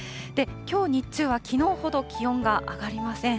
きょう日中はきのうほど気温が上がりません。